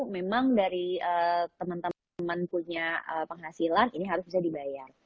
memang dari teman teman punya penghasilan ini harus bisa dibayar